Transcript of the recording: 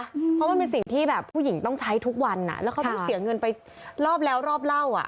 เพราะมันเป็นสิ่งที่แบบผู้หญิงต้องใช้ทุกวันอ่ะแล้วเขาต้องเสียเงินไปรอบแล้วรอบเล่าอ่ะ